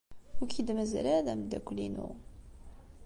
Ur k-id-mazal ara d ameddakel-inu.